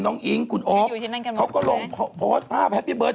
จากธนาคารกรุงเทพฯ